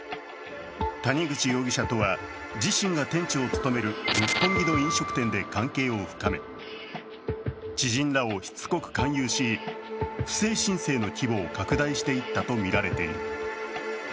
谷口容疑者とは、自身が店長を務める六本木の飲食店で関係を深め知人らをしつこく勧誘し、不正申請の規模を拡大していったとみられている。